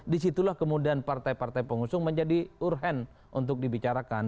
disitulah kemudian partai partai pengusung menjadi urgen untuk dibicarakan